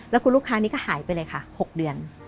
แล้วคุณลูกค้านี้ก็หายไปเลยค่ะ๖เดือน